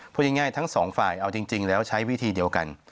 พูดง่ายทั้งสองฝ่ายเอาจริงแล้วใช้วิธีเดียวกัน